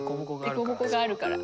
でこぼこがあるから。